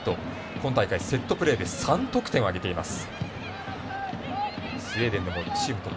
今大会、セットプレーで３得点を挙げています。